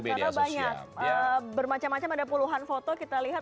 bermacam macam ada puluhan foto kita lihat